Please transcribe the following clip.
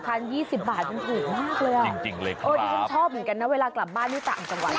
ที่ฉันชอบเหมือนกันนะเวลากลับบ้านที่ต่างจังหวัด